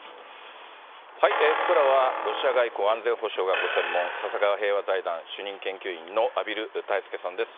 ここからはロシア外交、安全保障がご専門、笹川平和財団主任研究員の畔蒜泰助さんです。